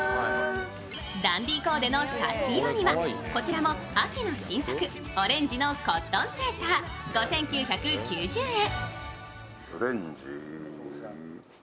ダンディーコーデの差し色にはこちらも秋の新作、オレンジのコットンセーター５９９０円。